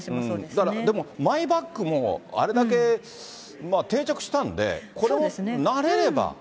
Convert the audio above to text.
でもマイバッグもあれだけ、定着したんで、これも慣れれば。